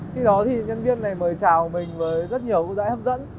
khi đó thì nhân viên này mời trào mình